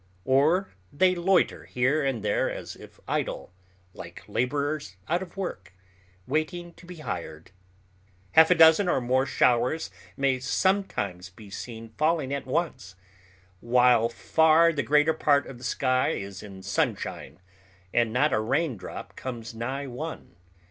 Or they loiter here and there as if idle, like laborers out of work, waiting to be hired. Half a dozen or more showers may oftentimes be seen falling at once, while far the greater part of the sky is in sunshine, and not a raindrop comes nigh one.